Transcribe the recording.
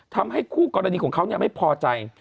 ทำให้คู่กรณีของเขาไม่พอใจ